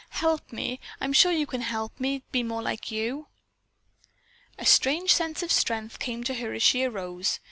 Help me; I am sure you can help me to be more like you." A strange sense of strength came to her as she arose.